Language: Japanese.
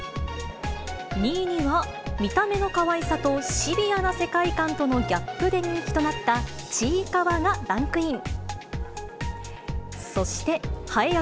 ２位には、見た目のかわいさとシビアな世界観とのギャップで人気となった、ちいかわがランクイン。